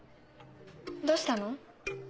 どうしたの？